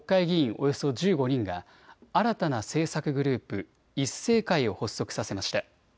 およそ１５人が新たな政策グループ、一清会を発足させました。